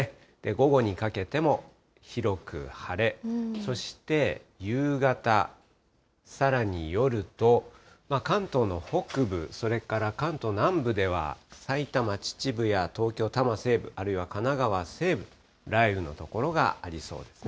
午後にかけても広く晴れ、そして夕方、さらに夜と、関東の北部、それから関東南部では、埼玉・秩父や東京・多摩西部、それから神奈川西部、雷雨の所がありそうですね。